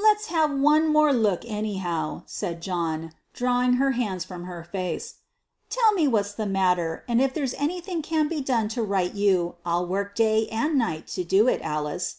"Let's have one more look anyhow," said John, drawing her hands from her face. "Tell me what's the matter, and if there's anything can be done to right you, I'll work day and night to do it, Alice."